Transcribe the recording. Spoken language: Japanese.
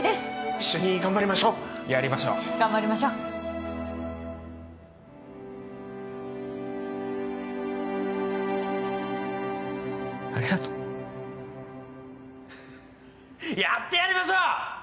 一緒に頑張りましょうやりましょう頑張りましょうありがとうやってやりましょう！